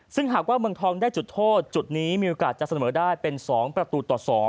ซึ่งหากว่าเมืองทองได้จุดโทษจุดนี้มีโอกาสจะเสมอได้เป็น๒ประตูต่อ๒